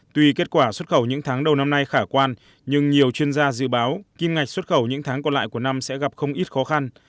tuy kết quả xuất khẩu những tháng đầu năm nay khả quan nhưng nhiều chuyên gia dự báo kim ngạch xuất khẩu những tháng còn lại của năm sẽ gặp không ít khó khăn